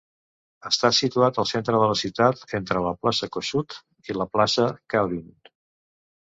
Està situat al centre de la ciutat, entre la plaça Kossuth i la plaça Kalvin.